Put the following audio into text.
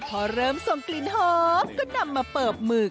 พอเริ่มส่งกลิ่นหอมก็นำมาเปิบหมึก